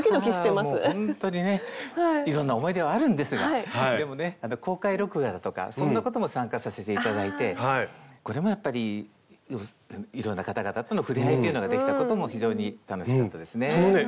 いやもうほんとにねいろんな思い出はあるんですがでもね公開録画だとかそんなことも参加させて頂いてこれもやっぱりいろんな方々とのふれあいっていうのができたことも非常に楽しかったですね。